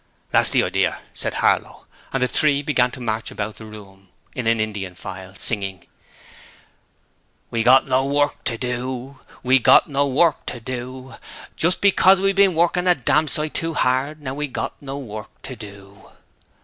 'That's the idear,' said Harlow, and the three began to march about the room in Indian file, singing: 'We've got no work to do oo oo' We've got no work to do oo oo! Just because we've been workin' a dam sight too hard, Now we've got no work to do.'